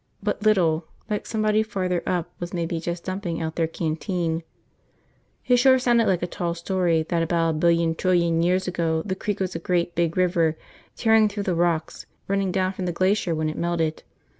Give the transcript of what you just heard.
But little, like somebody farther up was maybe just dumping out their canteen. It sure sounded like a tall story that about a billion trillion years ago the creek was a great big river tearing through the rocks, running down from the glacier when it melted.